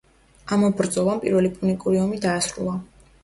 ამ ბრძოლამ პირველი პუნიკური ომი დაასრულა.